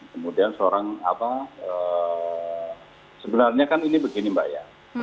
kemudian seorang apa sebenarnya kan ini begini mbak ya